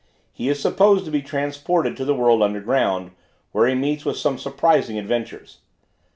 He is supposed to be transported to the world under ground, where he meets with some surprising adventures.